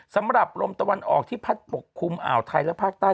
สำหรับลมตะวันออกที่พัดปกคลุมอ่าวไทยและภาคใต้